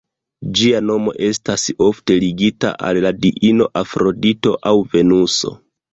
Ĝia nomo estas ofte ligata al la diino Afrodito aŭ Venuso.